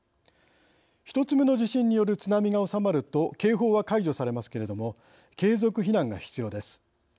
１つ目の地震による津波が収まると警報は解除されますけれども継続避難が必要です。